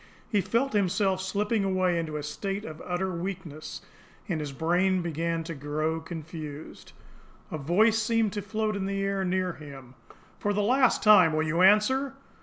He felt himself slipping away into a state of utter weakness, and his brain began to grow confused. A voice seemed to float in the air near him: "For the last time will you answer?"